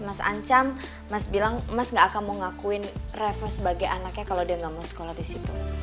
mas ancam mas bilang mas gak akan mau ngakuin revo sebagai anaknya kalau dia nggak mau sekolah di situ